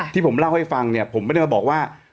ที่ผมเล่าให้ฟังเนี่ยผมไม่ได้มาบอกว่า